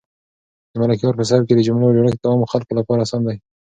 د ملکیار په سبک کې د جملو جوړښت د عامو خلکو لپاره اسان دی.